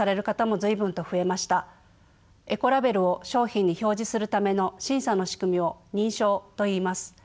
エコラベルを商品に表示するための審査の仕組みを認証といいます。